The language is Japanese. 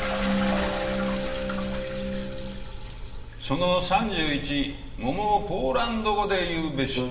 「その３１桃をポーランド語で言うべし」。